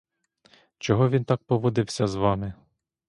Чого він так поводився з вами?